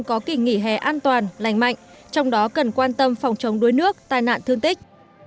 có kỷ nghỉ hè an toàn lành mạnh trong đó cần quan tâm phòng chống đuối nước tai nạn thương tích